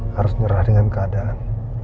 harus nyerah dengan keadaan